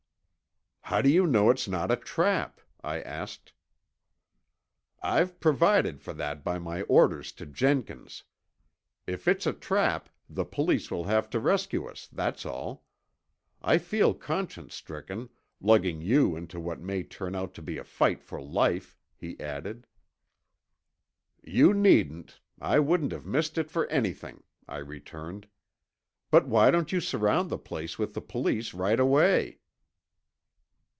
"How do you know it's not a trap?" I asked. "I've provided for that by my orders to Jenkins. If it's a trap the police will have to rescue us, that's all. I feel conscience stricken, lugging you into what may turn out to be a fight for life," he added. "You needn't. I wouldn't have missed it for anything," I returned. "But why don't you surround the place with the police right away?"